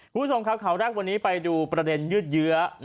คุณผู้ชมครับข่าวแรกวันนี้ไปดูประเด็นยืดเยื้อ